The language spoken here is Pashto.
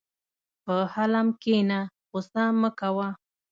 په حلم کښېنه، غوسه مه کوه.